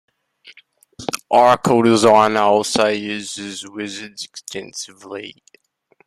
Oracle Designer also uses wizards extensively.